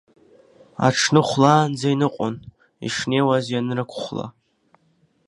Аҽны хәлаанӡа иныҟәон, ишнеиуаз ианрықәхәла…